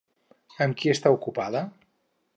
Amb qui està ocupada?